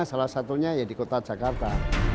salah satunya ya di kota jakarta